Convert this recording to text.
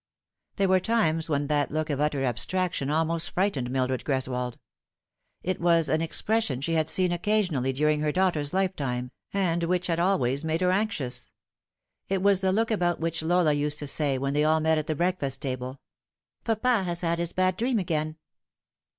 There were times when that look of utter abstraction almost frightened Mildred Greswold. It was an expression she had seen occasionally during her daughter's lifetime, and which had always made her anxious. It was the look about which Lola used to say when they all met at the breakfast table :" Papa has had his bad dream again."